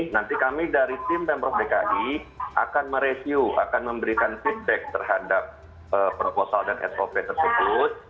nanti kami dari tim pemprov dki akan mereview akan memberikan feedback terhadap proposal dan sop tersebut